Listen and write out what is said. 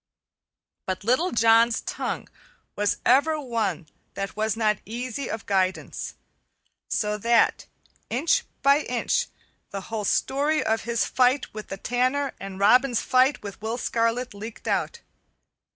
But Little John's tongue was ever one that was not easy of guidance, so that, inch by inch, the whole story of his fight with the Tanner and Robin's fight with Will Scarlet leaked out.